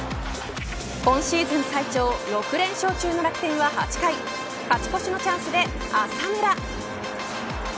今シーズン最長６連勝中の楽天は８回勝ち越しのチャンスで浅村。